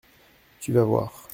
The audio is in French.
Tu vas voir !